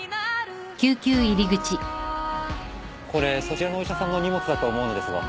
これそちらのお医者さんの荷物だと思うのですが。